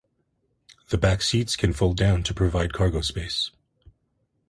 The back seats can fold down to provide cargo space.